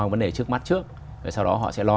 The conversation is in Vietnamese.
vấn đề trước mắt trước sau đó họ sẽ lo